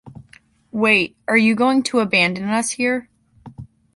Wait, are you going to abandon us here?